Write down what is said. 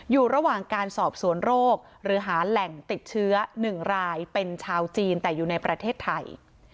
อยู่ระหว่างการสอบสวนโรคหรือหาแหล่งติดเชื้อ๑รายเป็นชาวจีนแต่อยู่ในประเทศไทย